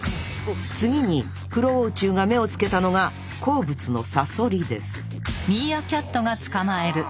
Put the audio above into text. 次にクロオウチュウが目をつけたのが好物のサソリですうわ